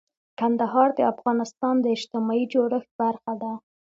کندهار د افغانستان د اجتماعي جوړښت برخه ده.